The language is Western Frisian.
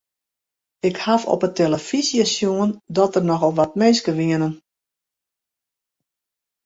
Ik haw op 'e telefyzje sjoen dat der nochal wat minsken wiene.